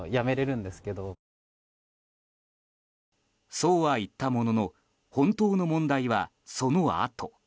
そうは言ったものの本当の問題はそのあと。